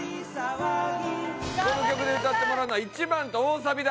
この曲で歌ってもらうのは１番と大サビだ。